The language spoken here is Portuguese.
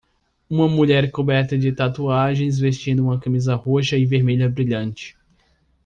Uma mulher coberta de tatuagens vestindo uma camisa roxa e vermelha brilhante